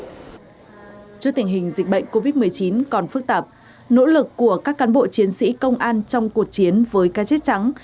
trước tình hình dịch bệnh covid một mươi chín còn phức tạp nỗ lực của các cán bộ chiến sĩ công an trong cuộc chiến với ca chết trắng